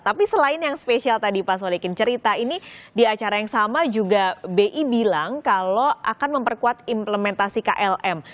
tapi selain yang spesial tadi pak solikin cerita ini di acara yang sama juga bi bilang kalau akan memperkuat implementasi klm